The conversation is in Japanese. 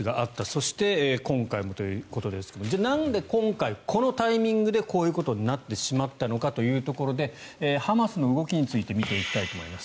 そして今回もということですがじゃあなんで今回このタイミングでこういうことになってしまったのかというところでハマスの動きについて見ていきたいと思います。